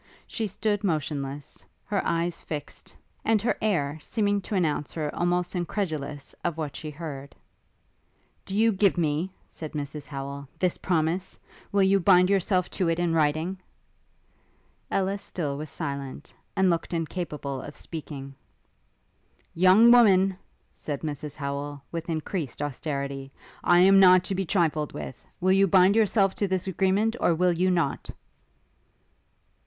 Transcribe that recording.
She stood motionless, her eyes fixed, and her air seeming to announce her almost incredulous of what she heard. 'Do you give me,' said Mrs Howel, 'this promise? Will you bind yourself to it in writing?' Ellis still was silent, and looked incapable of speaking. 'Young woman,' said Mrs Howel, with increased austerity, 'I am not to be trifled with. Will you bind yourself to this agreement, or will you not?'